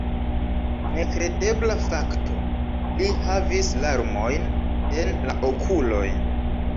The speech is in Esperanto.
Nekredebla fakto: li havis larmojn en la okuloj!